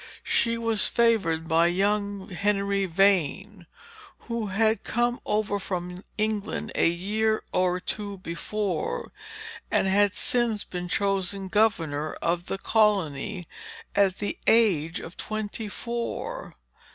"She was favored by young Henry Vane, who had come over from England a year or two before, and had since been chosen governor of the colony, at the age of twenty four.